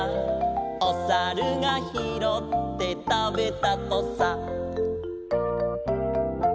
「おさるがひろってたべたとさ」